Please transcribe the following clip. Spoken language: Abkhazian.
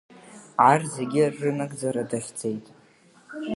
Арҭ зегь рынагӡара дахьӡеит.